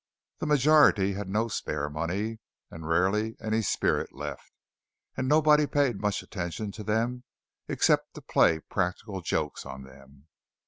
The majority had no spare money, and rarely any spirit left; and nobody paid much attention to them except to play practical jokes on them.